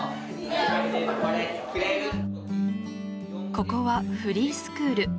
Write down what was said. ここはフリースクール。